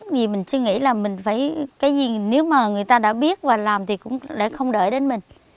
vì mình suy nghĩ là mình phải cái gì nếu mà người ta đã biết và làm thì cũng lại không đợi đến mình